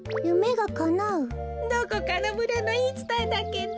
どこかのむらのいいつたえだけど。